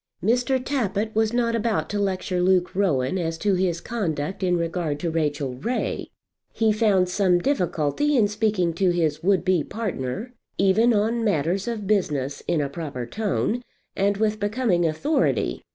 Mr. Tappitt was not about to lecture Luke Rowan as to his conduct in regard to Rachel Ray. He found some difficulty in speaking to his would be partner, even on matters of business, in a proper tone, and with becoming authority.